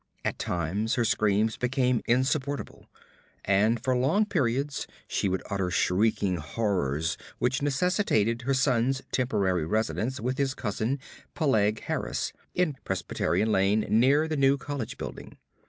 At times her screams became insupportable, and for long periods she would utter shrieking horrors which necessitated her son's temporary residence with his cousin, Peleg Harris, in Presbyterian Lane near the new college building.